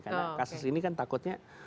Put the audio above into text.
karena kasus ini kan takutnya